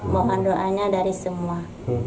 mohon doanya dari semua